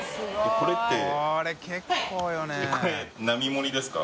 これ並盛ですか？